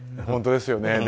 本当ですよね。